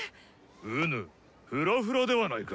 ウヌフラフラではないか！